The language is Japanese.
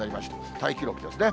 タイ記録ですね。